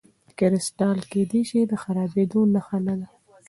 کرسټالي کېدل د خرابېدو نښه نه ده.